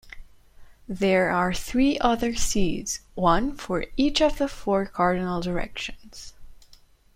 There are three other seas, one for each of the four cardinal directions.